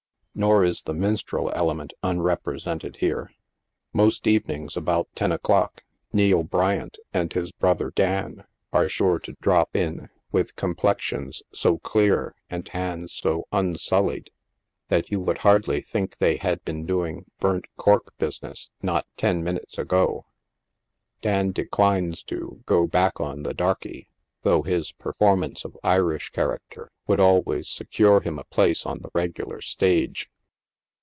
Nor is the minstrel element unrepresented here. Most evenings, about ten o'clock, Neil Bryant and his brother, Dan, are sure to drop TO NIGHT SIDE OF NEW YORK. in, with complexions so clear, and hands so unsullied, that you would hardly think they had been doing burnt cork business not ten minuses ago. Dan declines to " go back on" the darkey, though his performance of Irish character would always secure him a place on the regular stage.